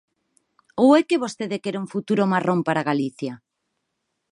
¿Ou é que vostede quere un futuro marrón para Galicia?